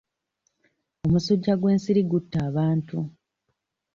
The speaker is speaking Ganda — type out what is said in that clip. Omusujja gw'ensiri gutta abantu.